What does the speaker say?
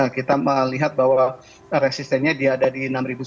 kita melihat bahwa resistennya dia ada di enam sembilan ratus